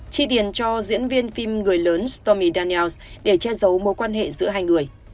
chi tiền cho diễn viên phim người lớn stormy daniels để che giấu mối quan hệ giữa hai người